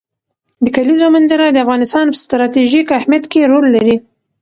د کلیزو منظره د افغانستان په ستراتیژیک اهمیت کې رول لري.